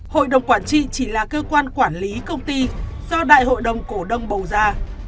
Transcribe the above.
hội đồng quản trị chỉ là cơ quan quản lý công ty do đại hội đồng cổ đông bầu ra